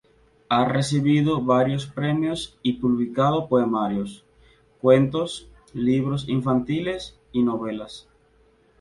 Ha recibido varios premios y publicado poemarios, cuentos, libros infantiles y novelas.